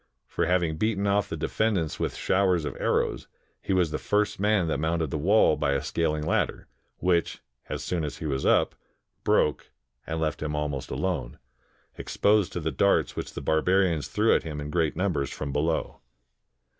For having beaten off the defendants with showers of arrows, he was the first man that mounted the wall by a scaling ladder, which, as soon as he was up, broke and left him almost alone, exposed to the darts which the barbarians threw at him in great numbers 87 INDIA from below.